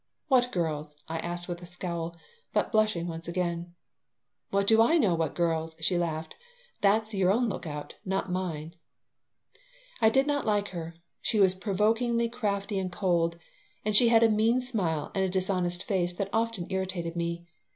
"What girls?" I asked, with a scowl, but blushing once again "What do I know what girls?" she laughed. "That's your own lookout, not mine." I did not like her. She was provokingly crafty and cold, and she had a mean smile and a dishonest voice that often irritated me.